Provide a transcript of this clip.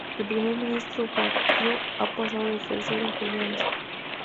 El Primer Ministro Hwang Kyo-ahn pasó a ejercer en funciones.